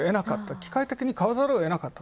機械的に買わざるをえなかった。